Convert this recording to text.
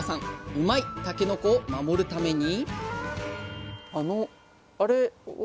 「うまいッ！たけのこ」を守るために？